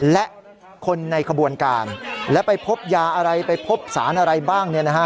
และคนในขบวนการและไปพบยาอะไรไปพบสารอะไรบ้าง